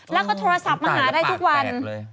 แล้วก็โทรศัพท์มาหาได้ทุกวัน